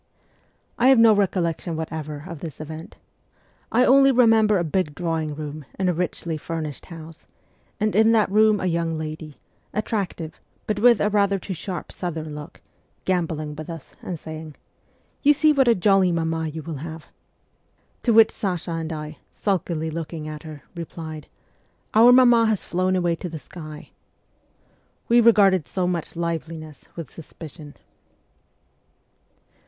I have no recollection whatever of this event. I only remember a big drawing room in a richly furnished house, and in that room a young lady, attractive but with a rather too sharp southern look, gambolling with us, and saying, ' You see what a jolly mamma you will have ;' to which Sasha and I, sulkily looking at her, replied, ' Our mamma has flown away to the sky.' We regarded so much liveliness with suspicion.